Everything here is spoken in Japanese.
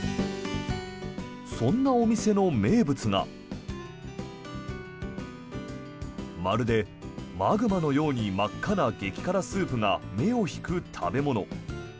そんなお店の名物がまるでマグマのように真っ赤な激辛スープが目を引く食べ物。